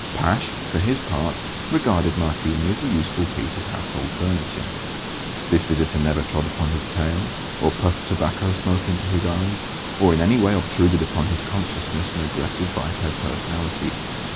Pasht, for his part, regarded Martini as a useful piece of household furniture. This visitor never trod upon his tail, or puffed tobacco smoke into his eyes, or in any way obtruded upon his consciousness an aggressive biped personality.